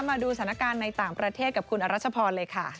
มาดูสถานการณ์ในต่างประเทศกับคุณอรัชพรเลยค่ะ